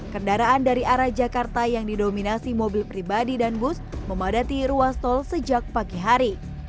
kendaraan dari arah jakarta yang didominasi mobil pribadi dan bus memadati ruas tol sejak pagi hari